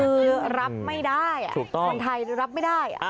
คือรับไม่ได้คนไทยรับไม่ได้